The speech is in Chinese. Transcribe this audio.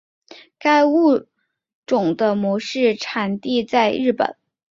该物种的模式产地在日本。